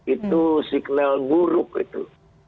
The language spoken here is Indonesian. itu signal buruk gitu